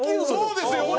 そうですよ！